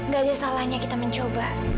gak ada salahnya kita mencoba